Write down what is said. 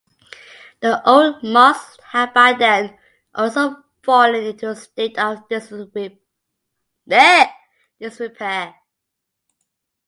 The old mosque had by then also fallen into a state of disrepair.